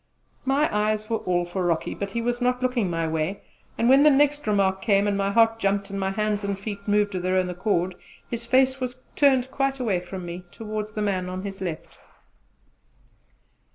My eyes were all for Rocky, but he was not looking my way, and when the next remark came, and my heart jumped and my hands and feet moved of their own accord, his face was turned quite away from me towards the man on his left.